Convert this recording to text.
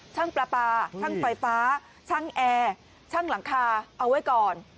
ปลาปลาช่างไฟฟ้าช่างแอร์ช่างหลังคาเอาไว้ก่อน